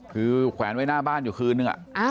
คือแขวนไว้หน้าบ้านอยู่คืนนึง